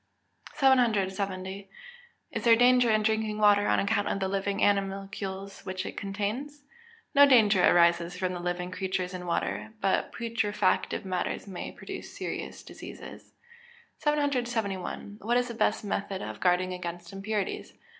770. Is there danger in drinking water on account of the living animalcules which it contains? No danger arises from the living creatures in water; but putrefactive matters may produce serious diseases. 771. _What is the best method of guarding against impurities?